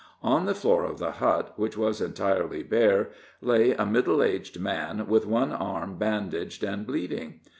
On the floor of the hut, which was entirely bare, lay a middle aged man, with one arm bandaged and bleeding.